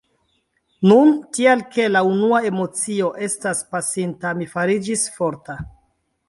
Nun, tial ke la unua emocio estas pasinta, mi fariĝis forta.